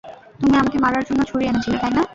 তুমি আমাকে মারার জন্য ছুরি এনেছিলে, তাই না?